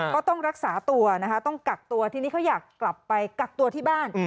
ก็ต้องรักษาตัวนะคะต้องกักตัวทีนี้เขาอยากกลับไปกักตัวที่บ้าน